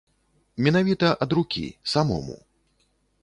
Менавіта ад рукі, самому.